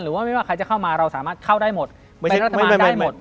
ว่าไม่ว่าใครจะเข้ามาเราสามารถเข้าได้หมดเป็นรัฐบาลได้หมด